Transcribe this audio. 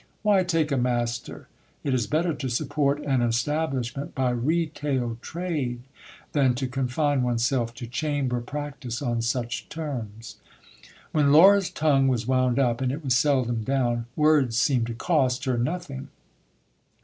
Why take a master ? It is better to support an establishment by retail trade, than to confine one's self to chamber practice on such terms. When Laura's tongue was wound up, and it was seldom down, words seemed to cost her nothing.